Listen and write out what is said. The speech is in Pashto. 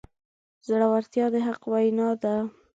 زړورتیا د حق وینا ده.